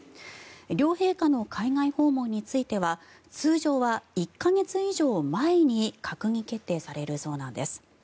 両陛下の海外訪問については通常は１か月以上前に閣議決定されるそうなんです。